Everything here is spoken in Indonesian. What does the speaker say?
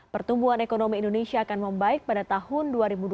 pertumbuhan ekonomi indonesia akan membaik pada tahun dua ribu dua puluh